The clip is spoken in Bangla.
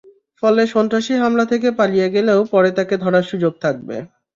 ফলে সন্ত্রাসী হামলা করে পালিয়ে গেলেও পরে তাকে ধরার সুযোগ থাকবে।